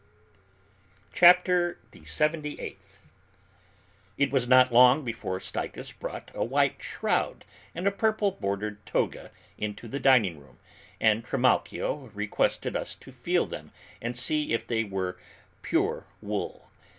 CHAPTER THE SEVENTY EIGHTH. It was not long before Stychus brought a white shroud and a purple bordered toga into the dining room, and Trimalchio requested us to feel them and see if they were pure wool.